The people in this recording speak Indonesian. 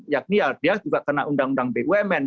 yakni ya dia juga kena undang undang bumn